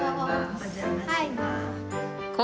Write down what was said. お邪魔します。